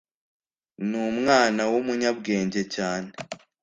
numwana wumunyabwenge cyane